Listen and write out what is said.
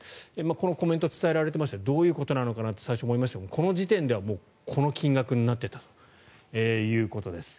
このコメント伝えられていましたがどういうことなのかなと最初、思いましたがこの時点では、もうこの金額になっていたということです。